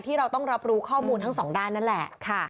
เราต้องรับรู้ข้อมูลทั้งสองด้านนั่นแหละ